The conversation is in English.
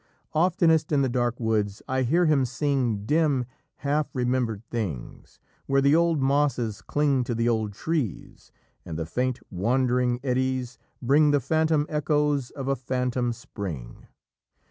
"... Oftenest in the dark woods I hear him sing Dim, half remembered things, where the old mosses cling To the old trees, and the faint wandering eddies bring The phantom echoes of a phantom spring."